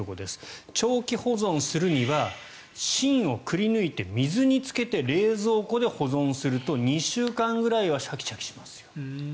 長期保存するには芯をくりぬいて水につけて冷蔵庫で保存すると２週間ぐらいはシャキシャキしますよ。